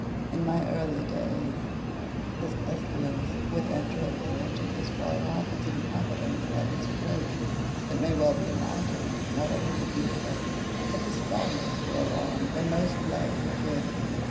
In my early days, this pestilence would enter a village and destroy half its inhabitants: at its approach, it may well be imagined, not only the beautiful but the strongest were alarmed, and those fled who could.